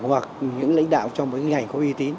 hoặc những lãnh đạo trong những ngành có uy tín